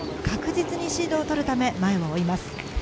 確実にシードを取るため前をいます。